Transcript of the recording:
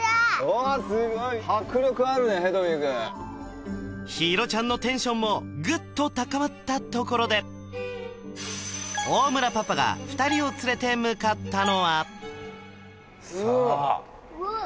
おおすごい迫力あるねヘドウィグ陽彩ちゃんのテンションもグッと高まったところで大村パパが二人を連れて向かったのはうわっ！